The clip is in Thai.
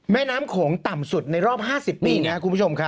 แม่น้ำโขงต่ำสุดในรอบ๕๐ปีนะครับคุณผู้ชมครับ